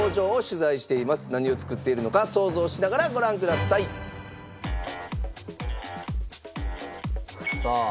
何を作っているのか想像しながらご覧ください。さあ。